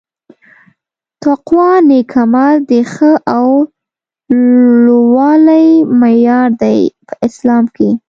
تقوا نيک عمل د ښه او لووالي معیار دي په اسلام کي